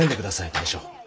大将。